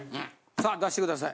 さあ出してください。